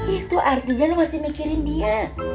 itu artinya lo masih mikirin dia